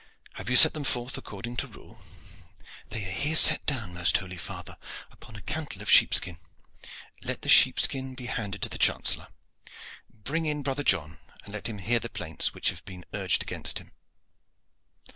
"Have you set them forth according to rule?" "They are here set down, most holy father, upon a cantle of sheep skin." "Let the sheep skin be handed to the chancellor. Bring in brother John, and let him hear the plaints which have been urged against him."